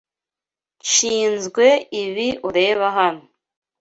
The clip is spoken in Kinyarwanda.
Nshinzwe ibi ureba aho